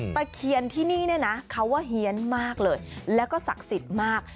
ตะเคียนที่นี่เนี่ยนะเขาว่าเฮียนมากเลยแล้วก็ศักดิ์สิทธิ์มาก